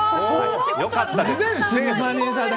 良かったです。